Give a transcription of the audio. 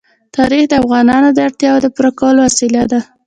تاریخ د افغانانو د اړتیاوو د پوره کولو وسیله ده.